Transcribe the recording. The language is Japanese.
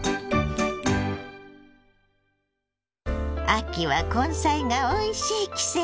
秋は根菜がおいしい季節。